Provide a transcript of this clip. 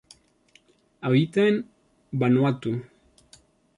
Habita en Vanuatu.